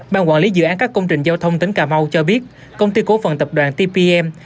ban quản lý dự án các công trình giao thông tỉnh cà mau cho biết công ty cổ phần tập đoàn tbm